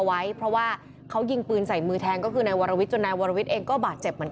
ไอ้ไอ้ไอ้ไอ้ไอ้ไอ้ไอ้ไอ้ไอ้ไอ้ไอ้ไอ้ไอ้